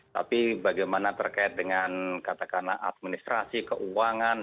tapi bagaimana terkait dengan katakanlah administrasi keuangan